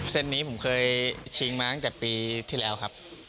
เส้นนี้ผมเคยชิงมาตั้งแต่ปีที่แล้วครับ